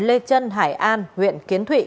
lê trân hải an huyện kiến thụy